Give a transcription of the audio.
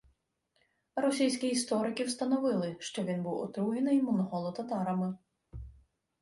Російські історики встановили, що він був отруєний монголо-татарами